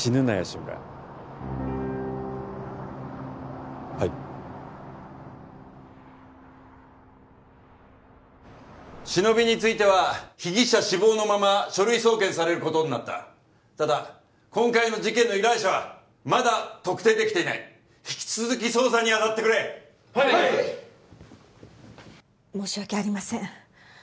志村はいシノビについては被疑者死亡のまま書類送検されることになったただ今回の事件の依頼者はまだ特定できていない引き続き捜査に当たってくれはい申し訳ありません